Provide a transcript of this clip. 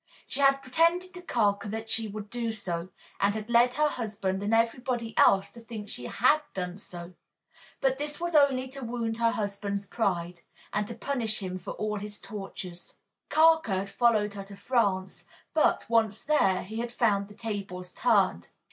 She had pretended to Carker that she would do so, and had led her husband and everybody else to think she had done so, but this was only to wound her husband's pride, and to punish him for all his tortures. Carker had followed her to France, but, once there, he had found the tables turned.